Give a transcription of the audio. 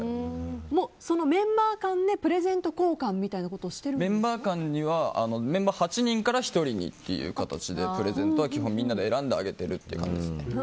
そのメンバー間でプレゼント交換みたいなことをメンバー間ではメンバー８人から１人にという形でプレゼントは基本みんなで選んであげてる感じですね。